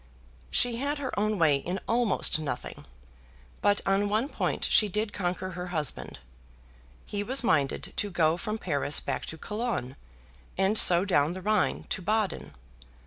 She had her own way in almost nothing; but on one point she did conquer her husband. He was minded to go from Paris back to Cologne, and so down the Rhine to Baden.